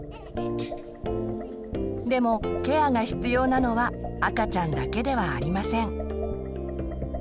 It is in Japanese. でもケアが必要なのは赤ちゃんだけではありません。